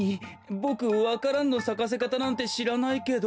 ボクわか蘭のさかせかたなんてしらないけど。